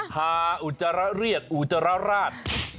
ฮาอุจจรรรรี่ดอุจรรรรอท